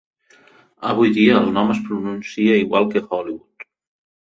Avui dia, el nom es pronuncia igual que "Hollywood".